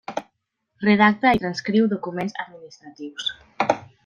Redacta i transcriu documents administratius.